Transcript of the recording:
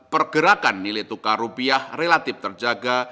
pergerakan nilai tukar rupiah relatif terjaga